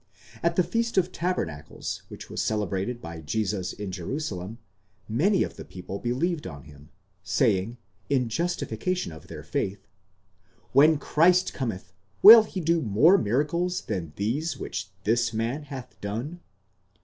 At the Feast of Tabernacles, which was celebrated by Jesus in Jerusalem, many of the people believed on him, saying, in justification of their faith, When Christ cometh, will he do more miracles than these which this man hath done